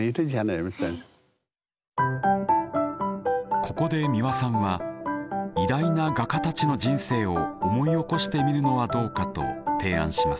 ここで美輪さんは偉大な画家たちの人生を思い起こしてみるのはどうかと提案します。